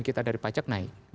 kita dari pajak naik